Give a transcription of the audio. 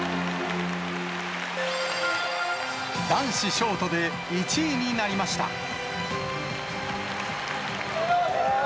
男子ショートで１位になりました。